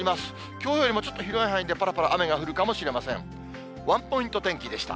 きょうよりもちょっと広い範囲でぱらぱら雨が降るかもしれません。